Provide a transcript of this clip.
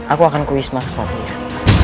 aku akan ke wisma suaminya